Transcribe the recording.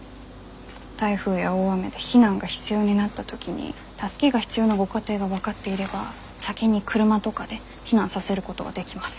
台風や大雨で避難が必要になった時に助けが必要なご家庭が分かっていれば先に車とかで避難させることができます。